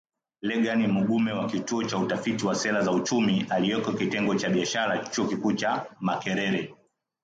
Reagan Mugume wa Kituo cha Utafiti wa Sera za Uchumi, aliyeko Kitengo cha Biashara Chuo Kikuu cha Makerere .